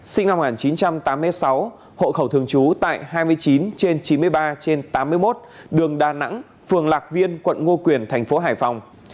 sinh năm một nghìn chín trăm tám mươi sáu hộ khẩu thường trú tại hai mươi chín trên chín mươi ba trên tám mươi một đường đà nẵng phường lạc viên quận ngo quyền thành phố hải phòng